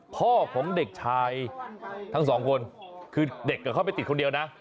พ่อของเด็กชายทั้งสองคนคือเด็กกับเขาไปติดคนเดียวนะ